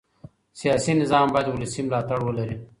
سیاسي نظام باید ولسي ملاتړ ولري